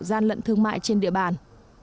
gian lận thương mại trên địa bàn